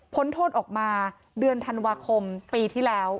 โทษออกมาเดือนธันวาคมปีที่แล้ว